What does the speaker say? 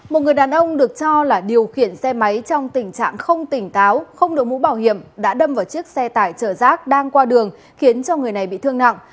một người đàn ông được cho là điều khiển xe máy trong tình trạng không tỉnh táo không đổi mũ bảo hiểm đã đâm vào chiếc xe tải chở rác đang qua đường khiến cho người này bị thương nặng